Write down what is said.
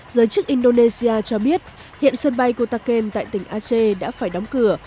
giới chức indonesia cho biết hiện sân bay kutaken tại tỉnh aceh đã phải đóng cửa